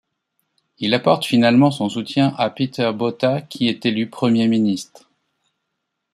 Il apporte finalement son soutien à Pieter Botha qui est élu premier ministre.